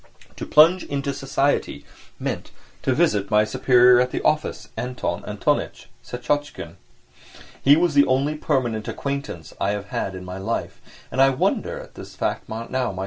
To plunge into society meant to visit my superior at the office, Anton Antonitch Syetotchkin. He was the only permanent acquaintance I have had in my life, and I wonder at the fact myself now.